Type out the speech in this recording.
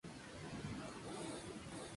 Una calle en Ciudad Rodrigo lleva su nombre.